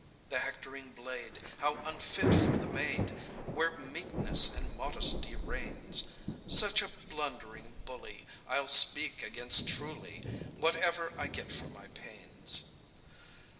The hectoring blade How unfit for the maid, Where meekness and modesty reigns! Such a blundering bully I'll speak against truly, Whatever I get for my pains.